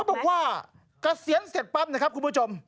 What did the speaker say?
เขาบอกว่ากระเซียนเจ็ดปั๊บนะครับคุณผู้ชม